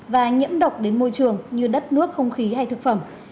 và nhiễm độc đến môi trường như đất nước không khí hay thực phẩm